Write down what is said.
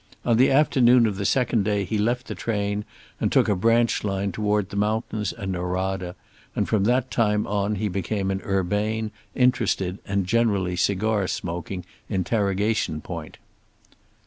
On the afternoon of the second day he left the train and took a branch line toward the mountains and Norada, and from that time on he became an urbane, interested and generally cigar smoking interrogation point.